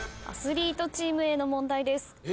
アスリートチームへの問題です。